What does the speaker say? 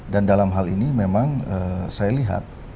dan dalam hal ini memang saya lihat